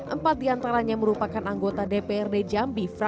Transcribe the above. empat di antaranya merupakan anggota dprd jambi